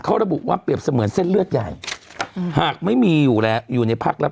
เขาระบุว่าเปรียบเสมือนเส้นเลือดใหญ่หากไม่มีอยู่แล้วอยู่ในพักแล้ว